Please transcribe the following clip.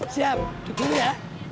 siap duduk dulu ya